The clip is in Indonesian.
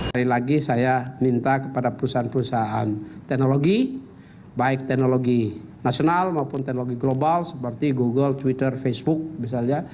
sekali lagi saya minta kepada perusahaan perusahaan teknologi baik teknologi nasional maupun teknologi global seperti google twitter facebook misalnya